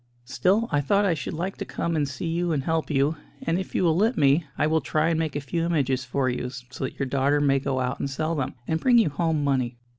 Still, I thought I should like to come and see you and help you; and if you will let me, I will try and make a few images for you, so that your daughter may go out and sell them, and bring you home money.